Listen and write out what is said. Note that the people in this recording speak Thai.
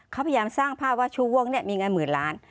เขาพยายามสร้างภาพว่าชูวงเนี่ยมีเงินหมื่นล้าน